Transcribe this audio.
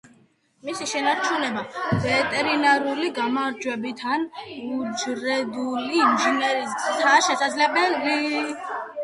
მისი შენარჩუნება ვეგეტატიური გამრავლებით ან უჯრედული ინჟინერიის გზითაა შესაძლებელი.